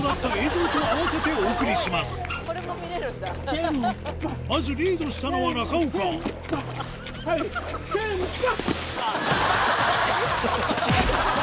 今回はまずリードしたのは中岡はいけんぱ！